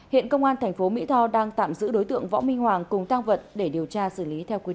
hiện công an thành phố mỹ tho đang tạm giữ đối tượng võ minh hoàng cùng tăng vật để điều tra xử lý theo quy định